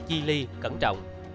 chi ly cẩn trọng